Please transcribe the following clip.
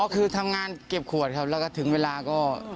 คือทำงานเก็บขวดครับแล้วก็ถึงเวลาก็